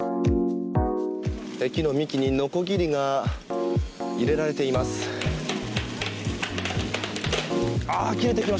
木の幹にのこぎりが入れられています。